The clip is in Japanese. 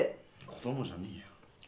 子供じゃねえよ。